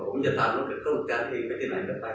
ผมจะตามเข้ากันเข้ากันเองไปที่ไหนกันไป